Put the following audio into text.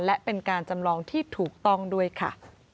และเป็นการจำลองที่ถูกต้องด้วยค่ะ